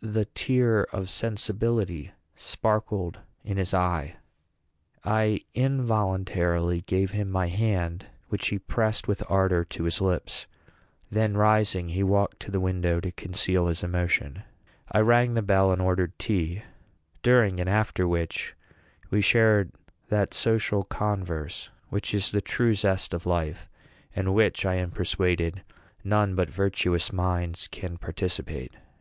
The tear of sensibility sparkled in his eye. I involuntarily gave him my hand, which he pressed with ardor to his lips; then, rising, he walked to the window to conceal his emotion. I rang the bell and ordered tea, during and after which we shared that social converse which is the true zest of life, and in which I am persuaded none but virtuous minds can participate.